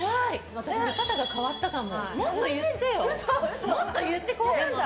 私、見方が変わったかも。